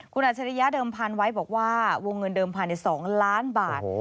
คุณอัจฉริยะเดิมพันธุ์ไว้บอกว่าวงเงินเดิมพันธุ์๒ล้านบาท